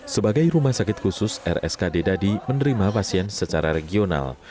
sebagai rumah sakit khusus rskd dadi menerima pasien secara regional